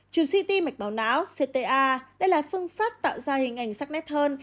chụp ct mạch máu não cta đây là phương pháp tạo ra hình ảnh sắc nét hơn